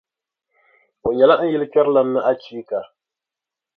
O nyɛla n yilikpɛrilana ni achiika.